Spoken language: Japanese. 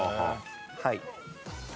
はい。